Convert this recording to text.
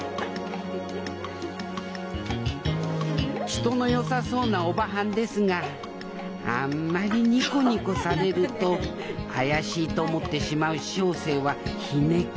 人のよさそうなおばはんですがあんまりニコニコされると怪しいと思ってしまう小生はひねくれもんでありましょうか？